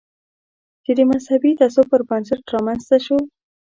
چې د مذهبي تعصب پر بنسټ رامنځته شو.